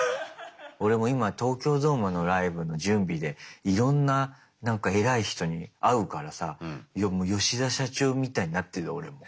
俺も今東京ドームのライブの準備でいろんな偉い人に会うからさヨシダ社長みたいになってる俺も。